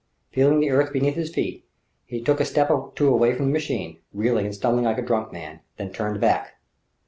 Feeling the earth beneath his feet, he took a step or two away from the machine, reeling and stumbling like a drunken man, then turned back.